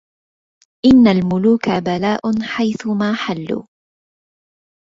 إن الملوك بلاء حيثما حلوا